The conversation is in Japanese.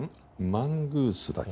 マングースだっけ？